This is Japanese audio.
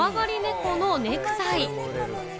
このネクタイ。